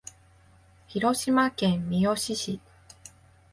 広島県三次市